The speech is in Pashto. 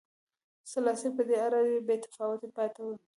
سلاسي په دې اړه بې تفاوته پاتې و.